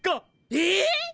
えっ！？